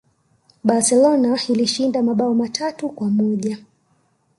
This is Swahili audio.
Barcelona ilishinda mabao matatu kwa moja